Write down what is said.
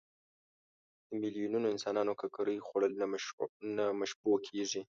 د میلیونونو انسانانو ککرې خوړل نه مشبوع کېږي.